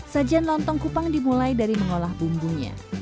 sajian lontong kupang dimulai dari mengolah bumbunya